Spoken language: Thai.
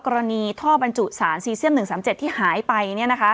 กรณีท่อบรรจุสารซีเซียม๑๓๗ที่หายไป